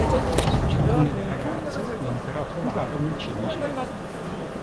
Sul giaccone del ragazzo viene però trovata una cimice.